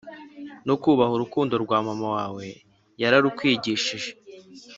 no kubaha urukundo rwa mama wawe yararukwigishije